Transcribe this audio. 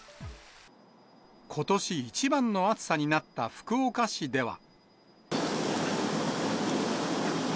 ことし一番の暑さになった福岡市では。